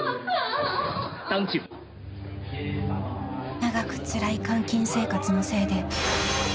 ［長くつらい監禁生活のせいで］